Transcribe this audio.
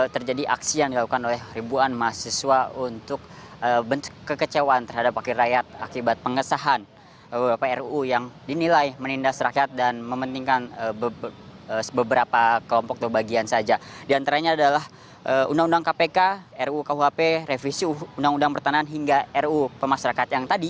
tadi aksi dari masjidnya juga sudah berkumpul dari pukul sebelas ribu an masjidwa di monumen perjuangan